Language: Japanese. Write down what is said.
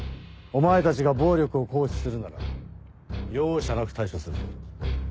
お前たちが暴力を行使するなら容赦なく対処する。